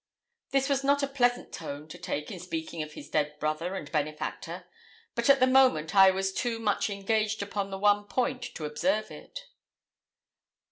This was not a pleasant tone to take in speaking of his dead brother and benefactor; but at the moment I was too much engaged upon the one point to observe it.